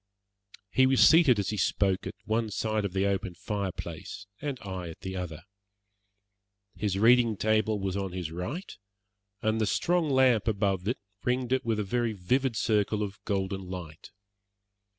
He was seated as he spoke at one side of the open fire place, and I at the other. His reading table was on his right, and the strong lamp above it ringed it with a very vivid circle of golden light.